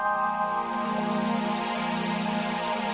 masa gw ke mae teman sih bro